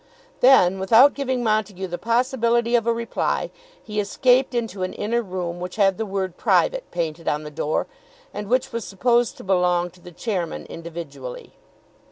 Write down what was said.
Then, without giving Montague the possibility of a reply, he escaped into an inner room which had the word "Private" painted on the door, and which was supposed to belong to the chairman individually.